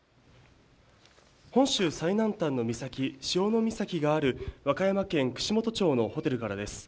本州最南端の岬、潮岬がある和歌山県串本町のホテルからです。